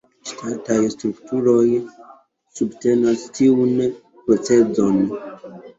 Ŝtataj strukturoj subtenas tiun procezon.